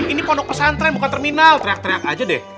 ini pondok pesantren bukan terminal teriak teriak aja deh